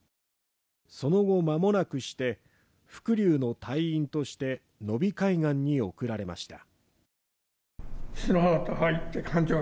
その後間もなくして伏龍の隊員として野比海岸に送られました。